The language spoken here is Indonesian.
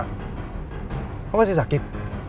kamu masih sakit